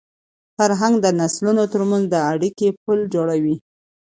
فرهنګ د نسلونو تر منځ د اړیکي پُل جوړوي.